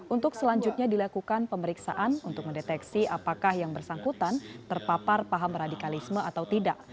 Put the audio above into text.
untuk selanjutnya dilakukan pemeriksaan untuk mendeteksi apakah yang bersangkutan terpapar paham radikalisme atau tidak